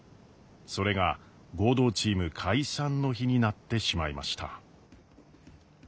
それが合同チーム解散の日になってしまいました。